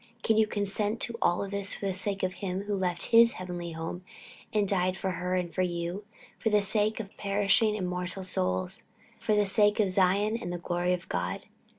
Can you consent to all this for the sake of Him who left his heavenly home, and died for her and for you; for the sake of perishing immortal souls; for the sake of Zion and the glory of God?